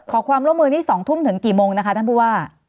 ขอความร่วมมือนี่๒ทุ่มถึงกี่โมงนะคะท่านผู้ว่า